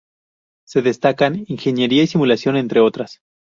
Se destacan ingeniería y Simulación, entre otras.